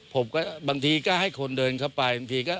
ผมก็บางทีก็ให้คนเดินเข้าไปบางทีก็